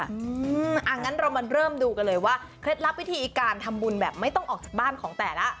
อย่างนั้นเรามาเริ่มดูกันเลยว่าเคล็ดลับวิธีการทำบุญแบบไม่ต้องออกจากบ้านของแต่ละ